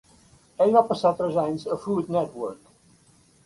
Ella va passar tres anys a Food Network.